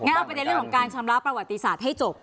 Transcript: งั้นเอาประเด็นเรื่องของการชำระประวัติศาสตร์ให้จบ